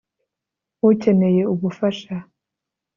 ukeneye ubufasha